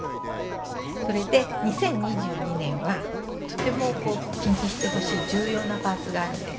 それで、２０２２年は、とても気にしてほしい重要なパーツがあるんです。